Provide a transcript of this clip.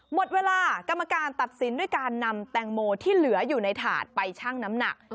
หมดเวลากรรมการตัดสินด้วยการนำแตงโมที่เหลืออยู่ในถาดไปชั่งน้ำหนัก